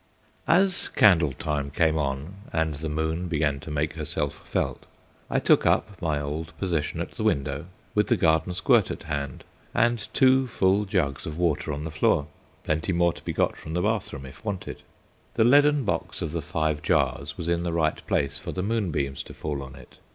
As candle time came on, and the moon began to make herself felt, I took up my old position at the window, with the garden squirt at hand and two full jugs of water on the floor plenty more to be got from the bathroom if wanted. The leaden box of the Five Jars was in the right place for the moonbeams to fall on it....